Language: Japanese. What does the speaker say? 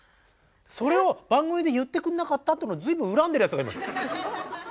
それを番組で言ってくんなかったっていうのを随分恨んでるやつがいます。